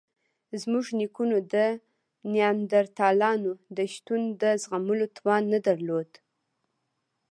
زموږ نیکونو د نیاندرتالانو د شتون د زغملو توان نه درلود.